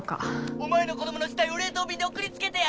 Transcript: お前の子供の死体を冷凍便で送りつけてやる！